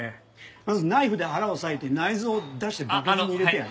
まずナイフで腹を割いて内臓を出してバケツに入れてやな。